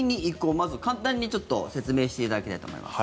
まず、簡単にちょっと説明していただきたいと思います。